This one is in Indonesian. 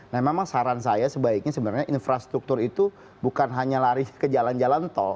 nah memang saran saya sebaiknya sebenarnya infrastruktur itu bukan hanya lari ke jalan jalan tol